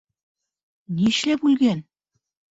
Нишләп үлгән?